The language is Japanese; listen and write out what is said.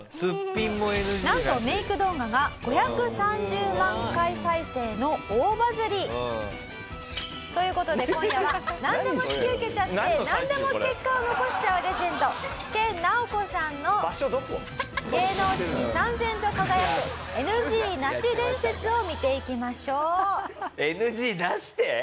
なんとメイク動画が５３０万回再生の大バズり。という事で今夜はなんでも引き受けちゃってなんでも結果を残しちゃうレジェンド研ナオコさんの芸能史に燦然と輝くＮＧなし伝説を見ていきましょう。